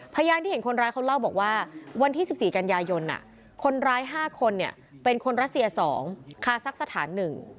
พยานที่เห็นคนร้ายเขาเล่าบอกว่าวันที่๑๔กันยายนคนร้าย๕คนเป็นคนรัสเซีย๒คาซักสถาน๑